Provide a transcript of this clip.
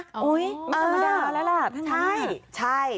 โอ้ยไม่ต้องมาแล้วหรอล่ะท่านนี้ใช่